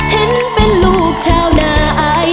เห็นเป็นลูกเช้านาย